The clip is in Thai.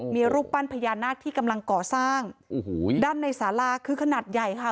มีรูปปั้นพญานาคที่กำลังก่อสร้างโอ้โหด้านในสาลาคือขนาดใหญ่ค่ะ